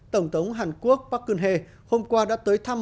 tổng thống hàn quốc park geun hye hôm qua đã tới thăm